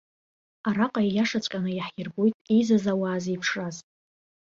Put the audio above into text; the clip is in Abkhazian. Араҟа ииашаҵәҟьаны иаҳирбоит еизаз ауаа зеиԥшраз.